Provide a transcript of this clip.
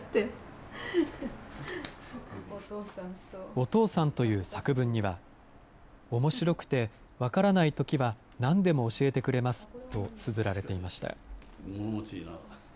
おとうさんという作文には、おもしろくてわからないときはなんでも教えてくれますとつづられていました。